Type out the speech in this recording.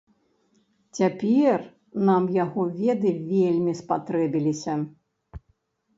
Цяпер нам яго веды вельмі спатрэбіліся.